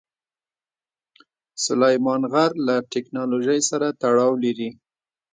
سلیمان غر له تکنالوژۍ سره تړاو لري.